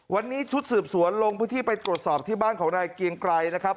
วันนี้ชุดสืบสวนลงพื้นที่ไปตรวจสอบที่บ้านของนายเกียงไกรนะครับ